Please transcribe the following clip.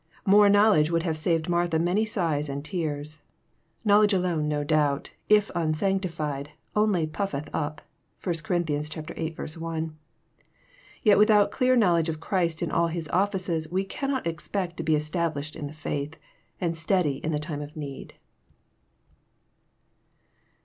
More knowledge would have saved Martha many sighs and tears. Knowledge alone no doubt, if unsanctified, only " puffeth up." (1 Cor. viii. 1.) Yet without clear knowledge of Christ in all His ofilces we cannot expect to be established in the faith, and steady in the time of need.